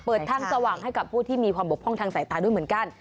เปิดทางสว่างให้กับผู้ที่มีความบกพร่องทางสายตาด้วยเหมือนกัน